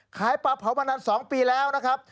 ขายปลาเผามานาน๒ปีแล้วนะครับ